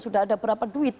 sudah ada berapa duit